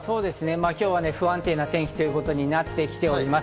今日は不安定な天気ということになってきております。